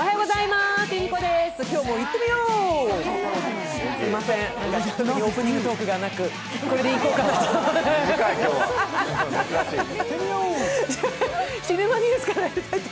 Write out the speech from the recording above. すいません、オープニングトークがなく、これでいこうかなと。